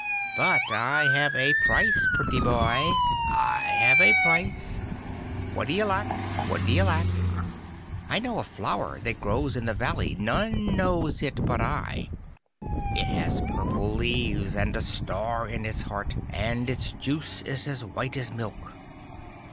But I have a price, pretty boy, I have a price. What d'ye lack? What d'ye lack? I know a flower that grows in the valley, none knows it but I. It has purple leaves, and a star in its heart, and its juice is as white as milk.